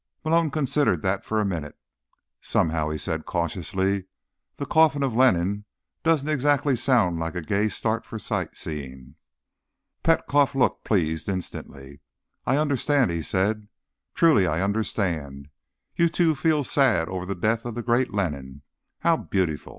Malone considered that for a minute. "Somehow," he said cautiously, "the coffin of Lenin doesn't exactly sound like a gay start for sight seeing." Petkoff looked pleased instantly. "I understand," he said. "Truly I understand. You, too, feel sad over the death of the great Lenin. How beautiful!